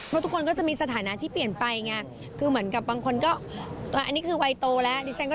หนูกับบุ๊คลิ้นก็ชอบเล่นกับเด็ก